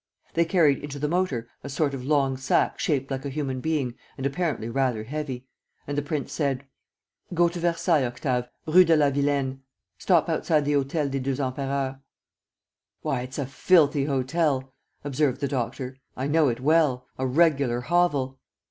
They carried into the motor a sort of long sack shaped like a human being and apparently rather heavy. And the prince said: "Go to Versailles, Octave, Rue de la Vilaine. Stop outside the Hôtel des Deux Empereurs." "Why, it's a filthy hotel," observed the doctor. "I know it well; a regular hovel."